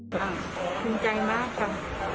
อย่าเอ้ยอ่ะขอบคุณใจมากครับ